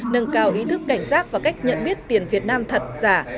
nâng cao ý thức cảnh giác và cách nhận biết tiền việt nam thật giả